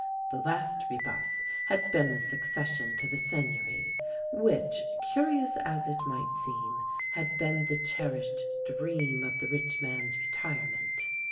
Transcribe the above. The last rebuff had been the succession to the Seigneury, which, curious as it might seem, had bee the cherished dream of the rich man's retirement.